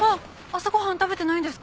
朝ご飯食べてないんですか？